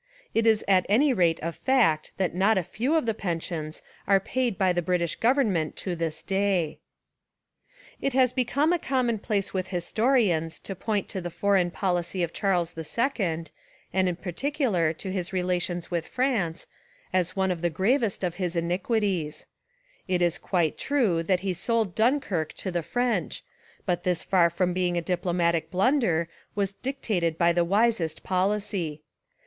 It is at any rate a fact that not a few of the pensions are paid by the British gov ernment to this day. It has become a commonplace with histo rians to point to the foreign policy of Charles II (and in particular to his relations with France) as one of the gravest of his iniquities. Essays and Literary Studies It is quite true that he sold Dunkirk to the French, but this far from being a diplomatic blunder was dictated by the wisest policy.